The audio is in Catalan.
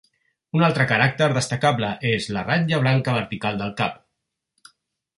Un altre caràcter destacable és la ratlla blanca vertical del cap.